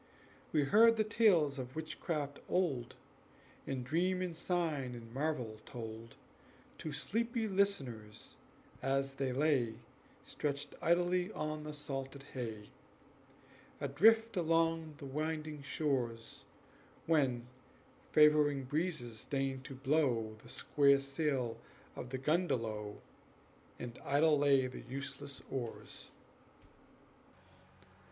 We heard the tales of witchcraft old, And dream and sign and marvel told To sleepy listeners as they lay Stretched idly on the salted hay, Adrift along the winding shores, When favoring breezes deigned to blow The square sail of the gundelow And idle lay the useless oars.